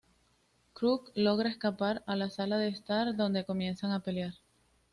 Krug logra escapar a la sala de estar, donde comienzan a pelear.